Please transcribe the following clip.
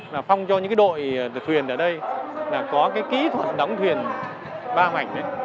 là phong cho những cái đội thuyền ở đây là có cái kỹ thuật đóng thuyền ba mảnh đấy